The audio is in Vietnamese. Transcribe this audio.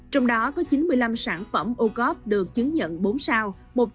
trong đó có chín mươi năm sản phẩm ô cóp được chứng nhận bốn sao